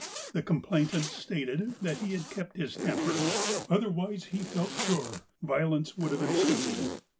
The complainant stated that he kept his temper, otherwise, he felt sure, violence would have ensued.